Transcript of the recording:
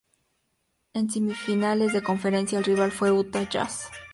En Semifinales de Conferencia el rival fue Utah Jazz.